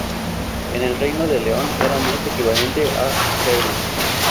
En el Reino de León era más equivalente a feudo.